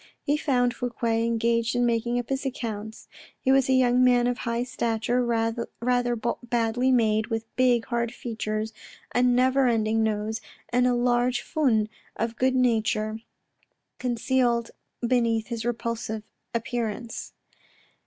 He found Fouque engaged in making up his accounts. He was a young man of high stature, rather badly made, with big, hard features, a never ending nose, and a large fund of good nature concealed beneath this repulsive appearance.